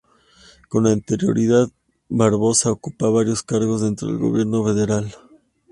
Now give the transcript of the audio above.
Con anterioridad, Barbosa ocupó varios cargos dentro del Gobierno federal.